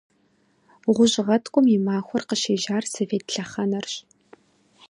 Гъущӏ гъэткӏум и махуэр къыщежьар совет лъэхъэнэрщ.